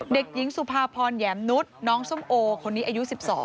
เด็กหญิงสุภาพรแหมมนุษย์น้องส้มโอคนนี้อายุ๑๒